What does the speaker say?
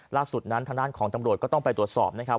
ล่าสุดนั้นทางด้านของตำรวจก็ต้องไปตรวจสอบนะครับ